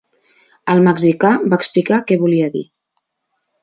El mexicà va explicar què volia dir.